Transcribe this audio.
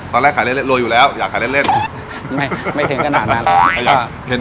ตอนแรกขายเล่นรวยอยู่แล้วอยากขายเล่น